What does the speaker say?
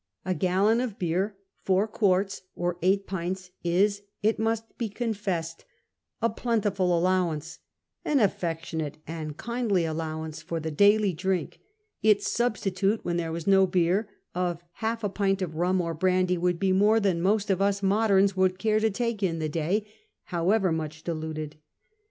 A gallon of beer, four quarts or eight pints, is, it must be confessed, a plentiful allow ance — an affectionate and kindly allowance — for the daily drink ; its substitute, when there was no beer, of half a pint of rum or brandy would be more than most of us moderns would care to take in the day, however much diluted.